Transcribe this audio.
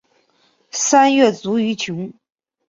三月卒于琼。